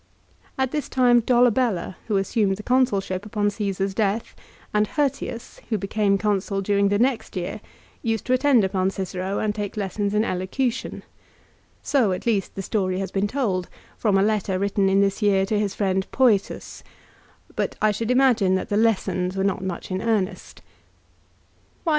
At this time Dolabella, who assumed the Consulship upon Caesar's death, and Hirtius, who became Consul during the next year, used to attend upon Cicero and take lessons in elocution. So at least the story has been told, from a letter written in this year to his friend Pcetus ; but I should imagine that the lessons were not much in earnest. " Why do you 1 Ad Fum.